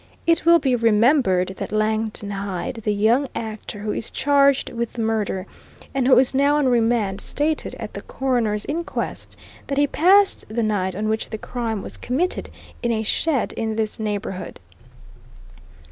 It will be remembered that Langton Hyde, the young actor who is charged with the crime, and who is now on remand, stated at the coroner's inquest that he passed the night on which the crime was committed in a shed in this neighbourhood.